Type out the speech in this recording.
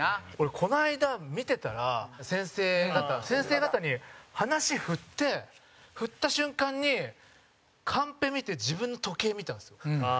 ：この間、見てたら先生方に話振って、振った瞬間にカンペ見て自分の時計、見たんですよ。